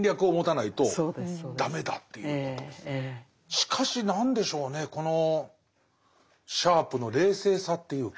しかしなんでしょうねこのシャープの冷静さっていうか。